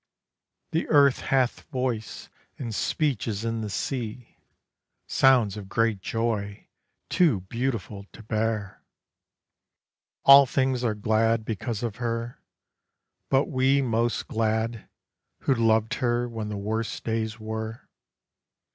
The earth hath voice, and speech is in the sea, Sounds of great joy, too beautiful to bear; All things are glad because of her, but we Most glad, who loved her when the worst days were.